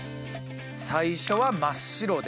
最初は真っ白で。